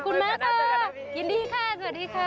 คุณม้าค่ะยินดีค่ะสวัสดีค่ะ